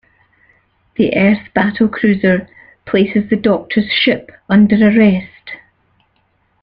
The Earth battlercruiser places the Doctor's ship under arrest.